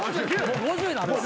５０になるわ。